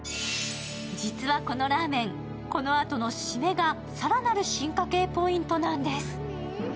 実はこのラーメン、このあとの締めが更なる進化系ポイントなんです。